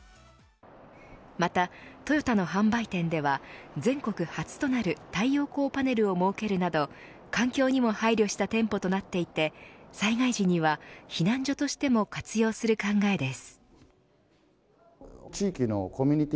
また、トヨタの販売店では全国初となる太陽光パネルを設けるなど環境にも配慮した店舗となっていて災害時には避難所としても活用する考えです。